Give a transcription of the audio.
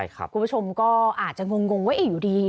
คุณผู้ชมก็อาจจะงงไว้อยู่ดี